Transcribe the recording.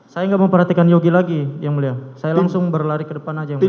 saya nggak memperhatikan yogi lagi yang mulia saya langsung berlari ke depan aja yang mulia